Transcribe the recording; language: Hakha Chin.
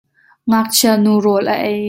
Ngakchia nu rawl a ei.